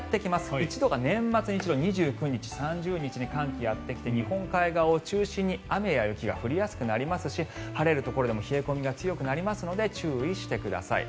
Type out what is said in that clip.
１度は年末にやってきて日本海側を中心に雨や雪が降りやすくなりますし晴れるところでも冷え込みが強くなりますのでご注意ください。